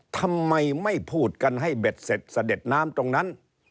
ทำไมไม่พูดกันให้เบ็ดเสร็จเสด็จน้ำตรงนั้น